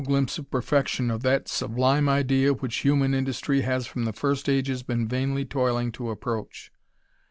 0 glimpse of perfection, of that sublime idea wliich human adustry has from the first ages been vainly toiling t Pproach.